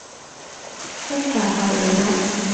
tất cả phải ở lại